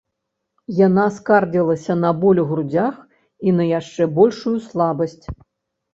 Яна скардзілася на боль у грудзях і на яшчэ большую слабасць.